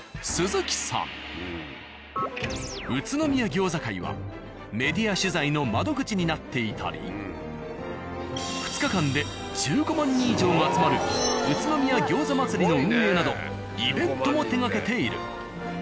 宇都宮餃子会はメディア取材の窓口になっていたり２日間で１５万人以上集まる宇都宮餃子祭りの運営などイベントも手がけている。